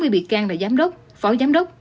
sáu mươi bị can là giám đốc phó giám đốc